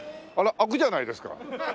開くじゃないですか。